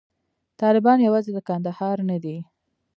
طالبان یوازې د کندهار نه دي.